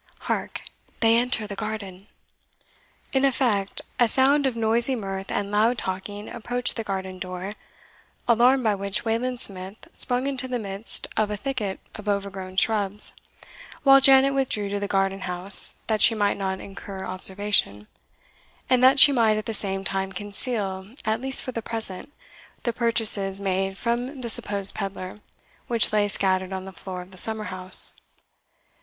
Hark, they enter the garden!" In effect, a sound of noisy mirth and loud talking approached the garden door, alarmed by which Wayland Smith sprung into the midst of a thicket of overgrown shrubs, while Janet withdrew to the garden house that she might not incur observation, and that she might at the same time conceal, at least for the present, the purchases made from the supposed pedlar, which lay scattered on the floor of the summer house.